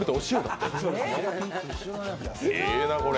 ええな、これ。